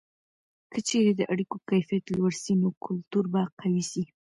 که چیرې د اړیکو کیفیت لوړه سي، نو کلتور به قوي سي.